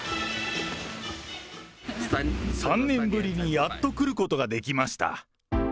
３年ぶりにやっと来ることができました。